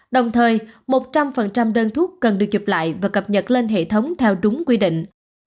đồng thời một trăm linh đơn thuốc cần được chụp lại và cập nhật lên hệ thống theo đúng quy định